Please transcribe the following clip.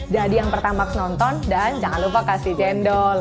jadi yang pertama nonton dan jangan lupa kasih jendol